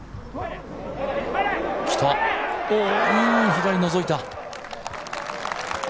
左のぞいた。